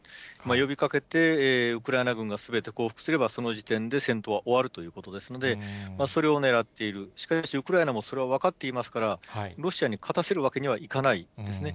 呼びかけて、ウクライナ軍がすべて降伏すれば、その時点で戦闘は終わるということですので、それをねらっている、しかし、ウクライナもそれは分かっていますから、ロシアに勝たせるわけにはいかないですね。